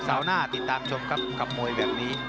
หน้าติดตามชมครับกับมวยแบบนี้